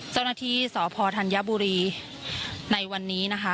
เจ้าหน้าที่สพธัญบุรีในวันนี้นะคะ